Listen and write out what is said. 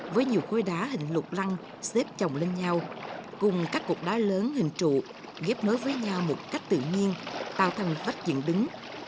với nhiều khối đá hình lục lăng xếp chồng lên nhau cùng các cục đá lớn hình trụ ghép nối với nhau một cách tự nhiên tạo thành vách diện đứng